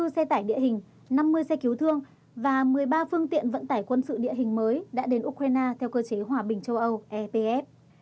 hai mươi xe tải địa hình năm mươi xe cứu thương và một mươi ba phương tiện vận tải quân sự địa hình mới đã đến ukraine theo cơ chế hòa bình châu âu epf